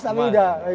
aku udah pede